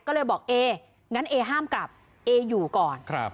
ก็เลยบอกเองั้นเอห้ามกลับเออยู่ก่อน